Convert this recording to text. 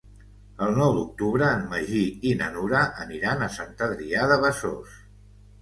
El nou d'octubre en Magí i na Nura aniran a Sant Adrià de Besòs.